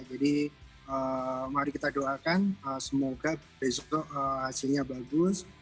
jadi mari kita doakan semoga besok hasilnya bagus